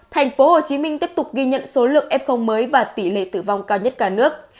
thành phố hồ chí minh tiếp tục ghi nhận số lượng f mới và tỷ lệ tử vong cao nhất cả nước